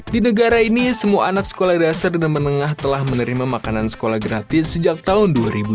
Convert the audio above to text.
di negara ini semua anak sekolah dasar dan menengah telah menerima makanan sekolah gratis sejak tahun dua ribu dua belas